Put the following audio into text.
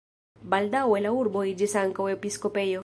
Baldaŭe la urbo iĝis ankaŭ episkopejo.